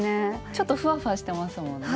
ちょっとふわふわしてますもんね。